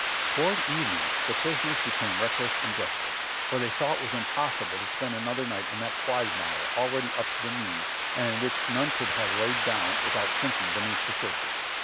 Toward evening the prisoners became reckless and desperate, for they saw it was impossible to spend another night in that quagmire already up to the knees, and in which none could have lain down without sinking beneath the surface.